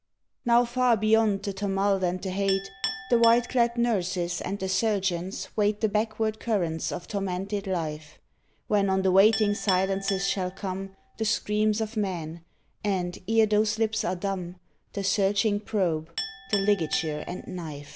Now far beyond the tumult and the hate The white clad nurses and the surgeons wait The backward currents of tormented life, When on the waiting silences shall come The screams of men, and, ere those lips are dumb, The searching probe, the ligature and knife.